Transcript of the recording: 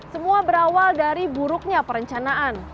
semua berawal dari buruknya perencanaan